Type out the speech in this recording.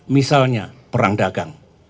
misalnya perang dagang